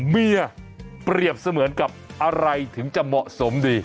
เปรียบเสมือนกับอะไรถึงจะเหมาะสมดี